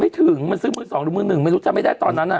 ถึงมันซื้อมือสองหรือมือหนึ่งไม่รู้จะไม่ได้ตอนนั้นอ่ะ